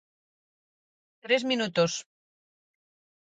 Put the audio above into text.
¡Tres minutos!